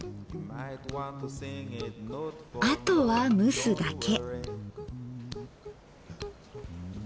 あとは蒸すだけ。